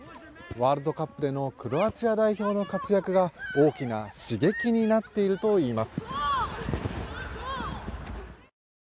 ワールドカップでのクロアチア代表の活躍が大きな刺激になっているといいます。